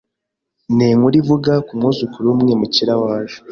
ninkuru ivuga kumwuzukuru wumwimukira waje